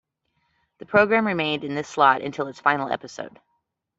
The program remained in this slot until its final episode.